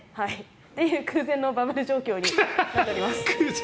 という空前のバブル状況になっています。